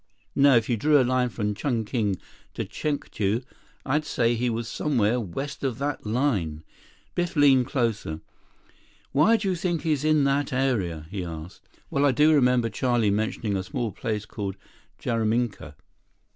"Now if you drew a line from Chungking to Chengtu, I'd say he was somewhere west of that line." Biff leaned closer. "Why do you think he's in that area?" he asked. "Well, I do remember Charlie's mentioning a small place called Jaraminka.